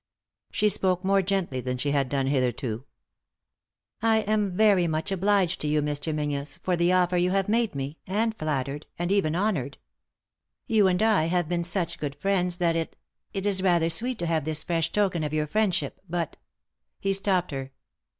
She spoke more gently than she had done hitherto. " I am very much obliged to you, Mr. Menzies, for the oner you have made me, and flattered, and even honoured. You and I have been such good friends that it — it is rather sweet to have this fresh token of your friendship, but " He stopped her.